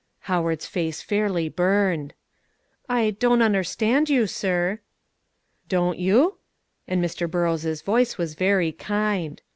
Howard's face fairly burned. "I don't understand you, sir." "Don't you?" and Mr. Burrows' voice was very kind.